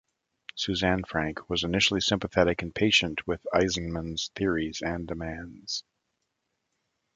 Suzanne Frank was initially sympathetic and patient with Eisenman's theories and demands.